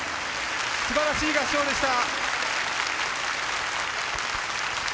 すばらしい合唱でした。